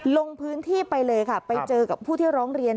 ลงพื้นที่ไปเลยค่ะไปเจอกับผู้ที่ร้องเรียน